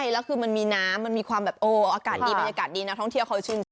ดีกว่าเบตงค์